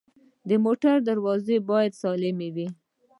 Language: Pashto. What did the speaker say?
د موټر دروازې باید سالمې وي.